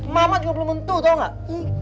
mama juga belum mentuh tau nggak